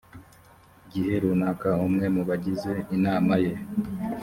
gihe runaka umwe mu bagize inama ye